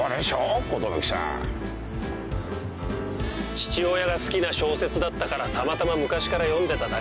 父親が好きな小説だったからたまたま昔から読んでただけですよ。